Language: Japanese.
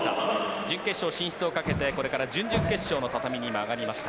準決勝進出をかけてこれから準々決勝の畳に今、上がりました。